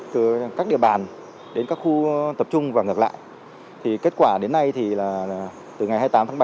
từ các địa bàn đến các khu tập trung và ngược lại thì kết quả đến nay thì là từ ngày hai mươi tám tháng ba